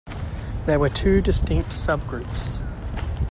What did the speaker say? There were two distinct subgroups.